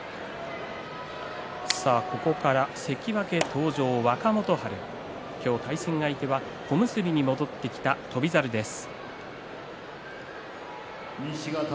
ここからは関脇登場、若元春対戦相手は小結に戻ってきている翔猿です。